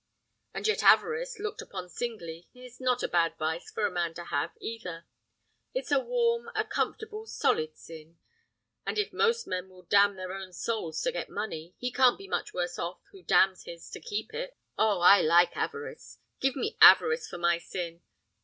And yet avarice, looked upon singly, is not a bad vice for a man to have either. It's a warm, a comfortable solid sin; and if most men will damn their own souls to get money, he can't be much worse off who damns his to keep it. Oh, I like avarice! Give me avarice for my sin.